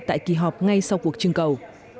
tại kỳ họp ngay sau cuộc chương cầu